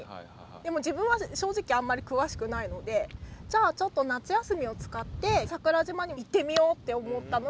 でも自分は正直あんまり詳しくないのでじゃあちょっと夏休みを使って桜島に行ってみようって思ったのが最初のきっかけで。